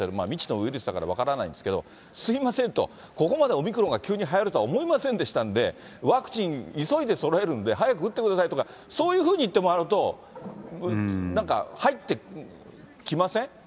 未知のウイルスだから分からないんですけど、すみませんと、ここまでオミクロンが急にはやるとは思いませんでしたんで、ワクチン、急いでそろえるんで、早く打ってくださいとか、そういうふうに言ってもらうと、なんか入ってきません？